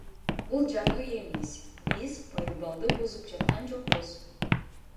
Бул жаңы үй эмес, биз пайдубалды бузуп жаткан жокпуз.